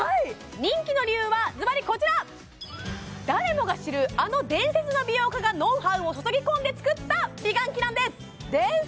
人気の理由はずばりこちら誰もが知るあの伝説の美容家がノウハウを注ぎ込んで作った美顔器なんです伝説？